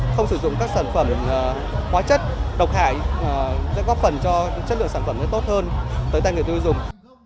không sử dụng các sản phẩm hóa chất độc hại sẽ góp phần cho chất lượng sản phẩm tốt hơn tới tay người tiêu dùng